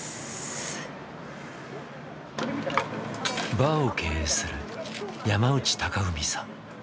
バーを経営する山内貴史さん。